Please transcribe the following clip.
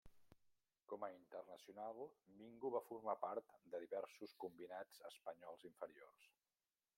Com a internacional, Mingo va formar part de diversos combinats espanyols inferiors.